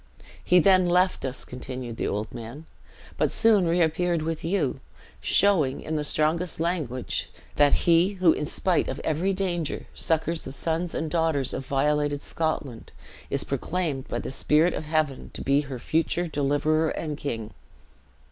"He then left us," continued the old man, "but soon reappeared with you; showing, in the strongest language, that he who, in spite of every danger, succors the sons and daughters of violated Scotland, is proclaimed by the Spirit of Heaven to be her future deliverer and king."